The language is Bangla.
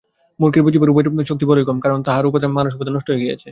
মূর্খের বুঝিবার শক্তি বড়ই কম, কারণ তাহার মানস- উপাদান নষ্ট হইয়া গিয়াছে।